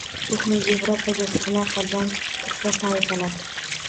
Ko‘hna Yevropaga sig‘may qolgan turfa toifalar